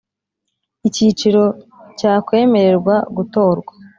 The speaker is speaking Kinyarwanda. Icyiciro cya kwemererwa gutorwa